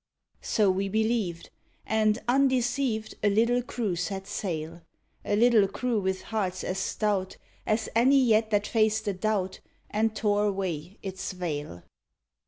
So we believed. And, undeceived, A little crew set sail; A little crew with hearts as stout As any yet that faced a doubt And tore away its veil.